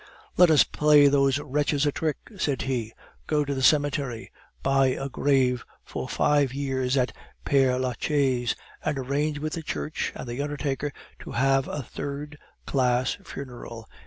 "Let us play those wretches a trick," said he. "Go to the cemetery, buy a grave for five years at Pere Lachaise, and arrange with the Church and the undertaker to have a third class funeral.